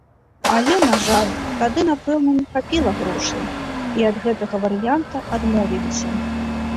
Але, на жаль, тады, напэўна, не хапіла грошай, і ад гэтага варыянта адмовіліся.